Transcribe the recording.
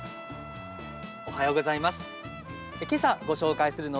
おはようございます。